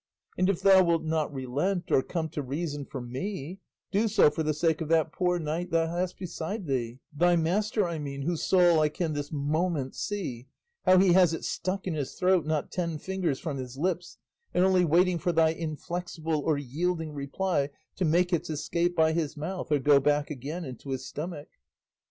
And if thou wilt not relent or come to reason for me, do so for the sake of that poor knight thou hast beside thee; thy master I mean, whose soul I can this moment see, how he has it stuck in his throat not ten fingers from his lips, and only waiting for thy inflexible or yielding reply to make its escape by his mouth or go back again into his stomach."